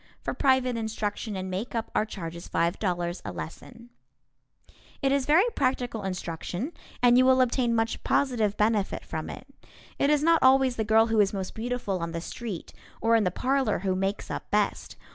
For private instruction in makeup our charge is $5.00 a lesson. It is very practical instruction and you will obtain much positive benefit from it. It is not always the girl who is most beautiful on the street or in the parlor who makes up best.